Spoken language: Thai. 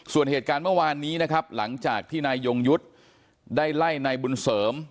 ส่วนเหตุการณ์เมื่อวานนี้นะครับหลังจากที่นายยงยุทธ์ได้ไล่นายบุญเสริม